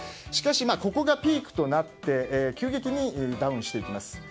しかしここがピークとなって急激にダウンしていきます。